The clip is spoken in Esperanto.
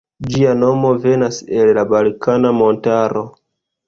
Ĝia nomo venas el la Balkana Montaro.